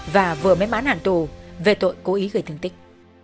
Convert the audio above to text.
và vừa mới bán hạn tù về tội cố ý gây thương tích